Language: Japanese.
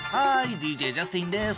ＤＪジャスティンです。